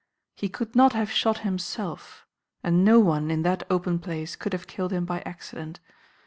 He could not have shot himself, and no one, in that open place, could have killed him by accident.